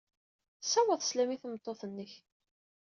Ssawaḍ sslam i tmeṭṭut-nnek.